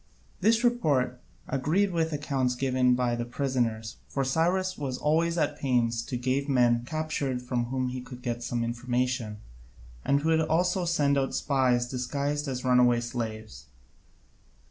This report agreed with the accounts given by the prisoners, for Cyrus was always at pains to gave men captured from whom he could get some information, and he would also send out spies disguised as runaway slaves.